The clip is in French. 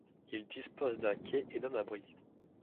Il dispose d'un quai et d'un abri.